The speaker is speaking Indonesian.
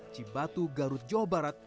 cibatu garut jawa barat